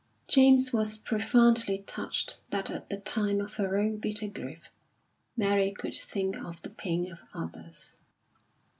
James was profoundly touched that at the time of her own bitter grief, Mary could think of the pain of others.